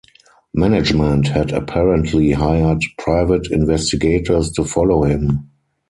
Management had apparently hired private investigators to follow him.